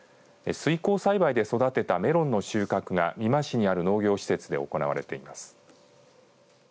水耕栽培で育てたメロンの収穫が美馬市にある農業施設で行われています。